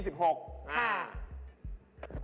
แฟมประปรี